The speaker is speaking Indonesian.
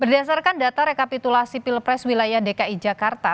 berdasarkan data rekapitulasi pilpres wilayah dki jakarta